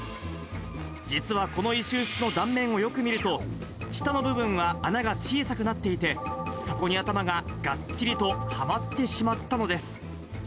実は、この石臼の断面をよく見ると、下の部分は穴が小さくなっていて、そこに頭ががっちりとはまってしまったのです。